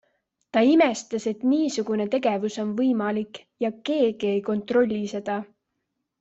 Ta imestas, et niisugune tegevus on võimalik ja keegi ei kontrolli seda.